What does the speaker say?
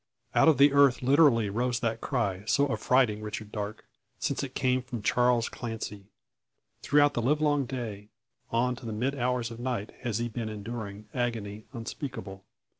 Out of the earth literally arose that cry, so affrighting Richard Darke; since it came from Charles Clancy. Throughout the live long day, on to the mid hours of night, has he been enduring agony unspeakable.